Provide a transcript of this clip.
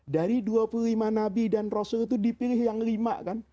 dari dua puluh lima nabi dan rasul itu dipilih yang lima kan